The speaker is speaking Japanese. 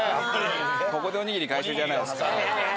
ここでおにぎり回収じゃないですか。